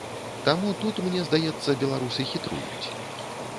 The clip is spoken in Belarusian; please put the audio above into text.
Таму тут, мне здаецца, беларусы хітруюць.